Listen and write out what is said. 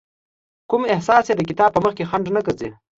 کوم احساس يې د کتاب په مخکې خنډ نه ګرځي.